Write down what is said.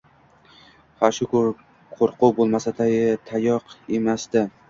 Ha, shu qo'rkuv bo'lmasa, tayoqemasaedi...